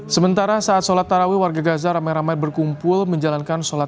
sementara saat sholat tarawih warga gaza ramai ramai berkumpul menjalankan sholat